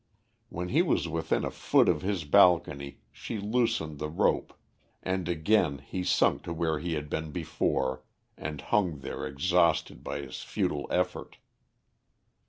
When he was within a foot of his balcony she loosened the rope, and again he sunk to where he had been before, and hung there exhausted by his futile effort.